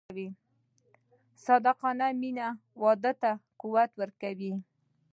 صادقانه مینه واده ته قوت ورکوي.